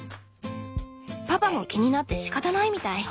パパも気になってしかたないみたい。